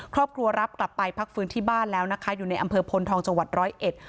ครอบครัวรับกลับไปพักฟื้นที่บ้านแล้วนะคะอยู่ในอำเภอพลทองจังหวัดร้อยเอ็ด